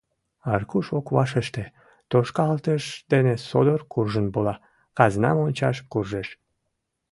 Аркуш ок вашеште, тошкалтыш дене содор куржын вола, казна мончаш куржеш.